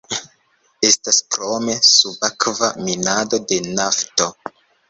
Estas krome subakva minado de nafto.